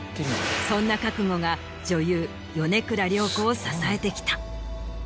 そんな覚悟が女優米倉涼子を支えてきた。